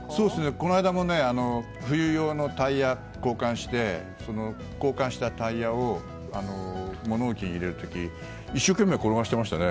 この間も冬用のタイヤを交換して交換したタイヤを物置に入れる時一生懸命転がしていましたね。